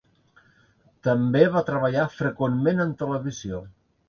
També va treballar freqüentment en televisió.